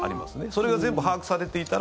それが全部把握されていたら。